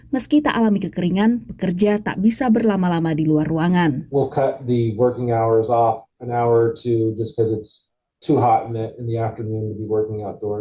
meski tak alami kekeringan pekerja tak bisa berlama lama di luar ruangan